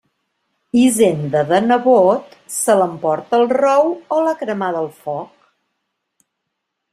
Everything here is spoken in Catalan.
Hisenda de nebot, se l'emporta el rou o l'ha cremada el foc.